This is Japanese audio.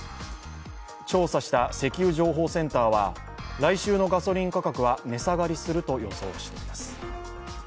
調査した石油情報センターは来週のガソリン価格は値下がりすると予想しています。